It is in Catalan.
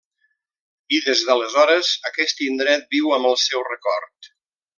I des d'aleshores aquest indret viu amb el seu record.